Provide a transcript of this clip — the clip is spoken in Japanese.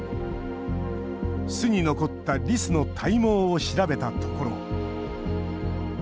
巣に残ったリスの体毛を調べたところ。